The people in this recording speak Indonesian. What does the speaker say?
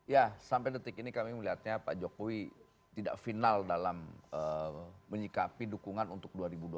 ya sampai detik ini kami melihatnya pak jokowi tidak final dalam menyikapi dukungan untuk dua ribu dua puluh empat